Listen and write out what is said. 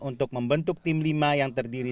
untuk membentuk tim lima yang terdiri